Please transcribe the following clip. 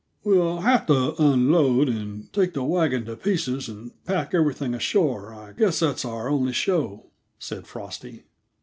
"We'll have to unload and take the wagon to pieces and pack everything ashore I guess that's our only show," said Frosty.